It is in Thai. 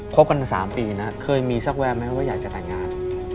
บกันมา๓ปีนะเคยมีสักแวมไหมว่าอยากจะแต่งงาน